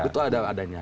itu ada adanya